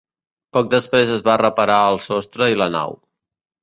Poc després es van reparar el sostre i la nau.